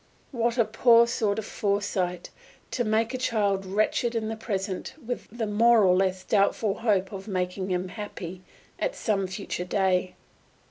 What a poor sort of foresight, to make a child wretched in the present with the more or less doubtful hope of making him happy at some future day.